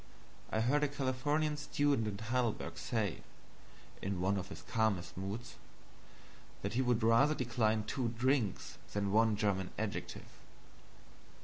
I heard a Californian student in Heidelberg say, in one of his calmest moods, that he would rather decline two drinks than one German adjective.